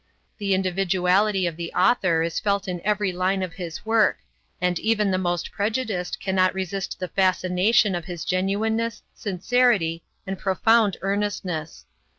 The individuality of the author is felt in every line of his work, and even the most prejudiced cannot resist the fascination of his genuineness, sincerity, and profound earnestness.